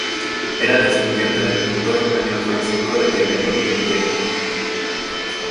Era descendiente del escritor español Francisco de Quevedo y Villegas.